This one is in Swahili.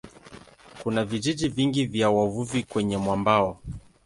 Kuna vijiji vingi vya wavuvi kwenye mwambao.